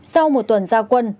sau một tuần xa quân